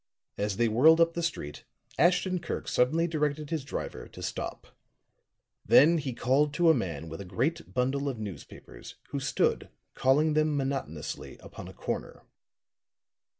As they whirled up the street, Ashton Kirk suddenly directed his driver to stop. Then he called to a man with a great bundle of newspapers who stood calling them monotonously upon a corner.